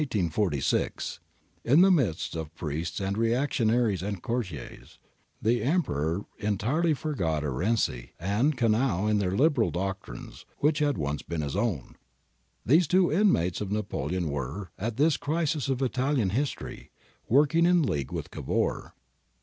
* In the midst of priests and reactionaries and courtiers, the Emperor never entirely forgot Arese and Conneau or their liberal doctrines, which had once been his own. These two intimates of Napoleon were, at this crisis of Italian history, work ing in league with Cavour.